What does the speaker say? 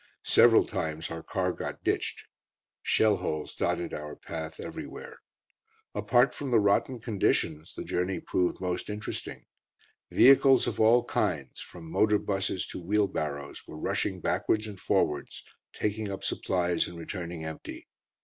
Several times our car got ditched. Shell holes dotted our path everywhere. Apart from the rotten conditions, the journey proved most interesting; vehicles of all kinds, from motor buses to wheelbarrows, were rushing backwards and forwards, taking up supplies and returning empty.